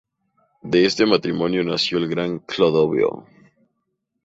De este matrimonio nació el gran Clodoveo.